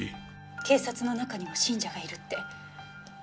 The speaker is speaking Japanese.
警察の中にも信者がいるって。